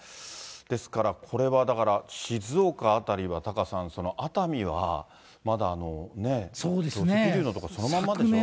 ですからこれはだから、静岡辺りはタカさん、熱海はまだね、土石流の所とかそのままでしょう。